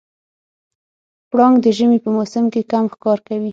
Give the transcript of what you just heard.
پړانګ د ژمي په موسم کې کم ښکار کوي.